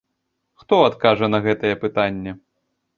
Хто адкажа на гэтае пытанне?